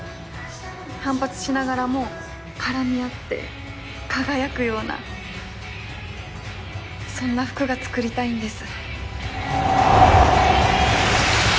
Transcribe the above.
反発しながらも絡み合って輝くようなそんな服が作りたいんです